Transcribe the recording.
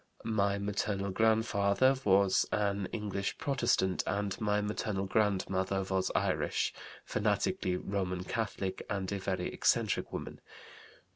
"My maternal grandfather was an English Protestant, and my maternal grandmother was Irish, fanatically Roman Catholic, and a very eccentric woman.